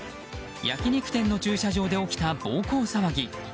焼き肉店の駐車場で起きた暴行騒ぎ。